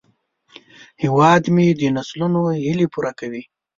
هیواد مې د نسلونو هیلې پوره کوي